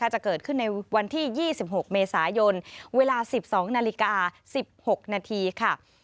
จะเกิดขึ้นในวันที่๒๖เมษายนเวลา๑๒นาฬิกา๑๖นาทีค่ะ